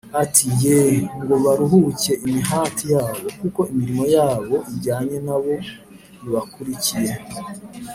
ati “Yee, ngo baruhuke imihati yabo, kuko imirimo yabo ijyanye na bo ibakurikiye.”